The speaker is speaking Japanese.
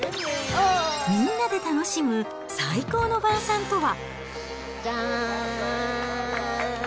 みんなで楽しむ最高の晩さんとは。